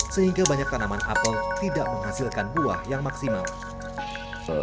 sehingga banyak tanaman apel tidak menghasilkan buah yang maksimal